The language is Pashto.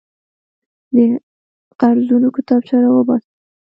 د قرضونو کتابچه راوباسه.